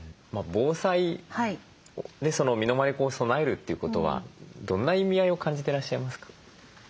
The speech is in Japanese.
防災身の回りを備えるということはどんな意味合いを感じてらっしゃいますか？